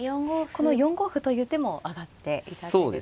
この４五歩という手も挙がっていたんですね。